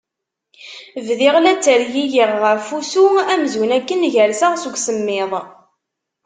Bdiɣ la ttergigiɣ ɣef wusu amzun akken gerseɣ seg usemmiḍ.